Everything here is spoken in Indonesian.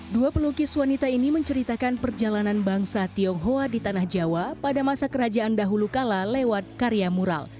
dua pelukis wanita ini menceritakan perjalanan bangsa tionghoa di tanah jawa pada masa kerajaan dahulu kala lewat karya mural